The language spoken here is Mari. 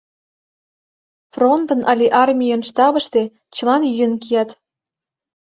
Фронтын але армийын штабыште чылан йӱын кият.